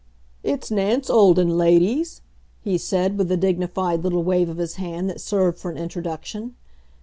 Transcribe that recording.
"It's Nance Olden, ladies," he said, with a dignified little wave of his hand that served for an introduction.